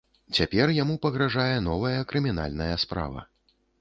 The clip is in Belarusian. Цяпер яму пагражае новая крымінальная справа.